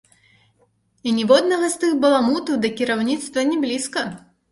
І ніводнага з тых баламутаў да кіраўніцтва ні блізка!